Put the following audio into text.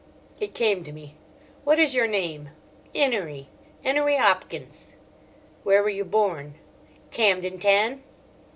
It came to me. "What is your name?" "'Enery—'Enery 'Opkins." "Where were you born?" "Camden Tahn."